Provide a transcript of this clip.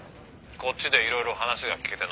「こっちでいろいろ話が聞けてな」